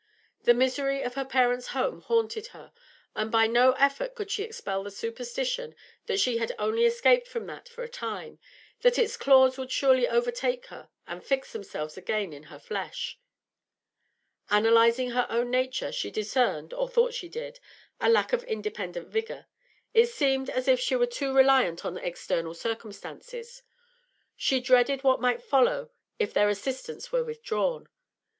The misery of her parents' home haunted her, and by no effort could she expel the superstition that she had only escaped from that for a time, that its claws would surely overtake her and fix themselves again in her flesh. Analysing her own nature, she discerned, or thought she did, a lack of independent vigour; it seemed as if she were too reliant on external circumstances; she dreaded what might follow if their assistance were withdrawn.